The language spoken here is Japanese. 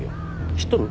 知っとる？